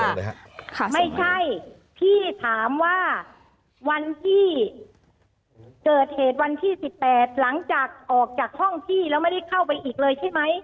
เลยฮะค่ะไม่ใช่พี่ถามว่าวันที่เกิดเหตุวันที่สิบแปดหลังจากออกจากห้องพี่แล้วไม่ได้เข้าไปอีกเลยใช่ไหม